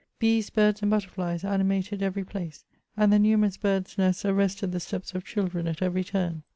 Bees, birds and butterflies animated every place ; and the numerous birds' nests arrested the steps of children at every ^ turn.